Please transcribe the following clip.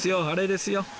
あれですよ。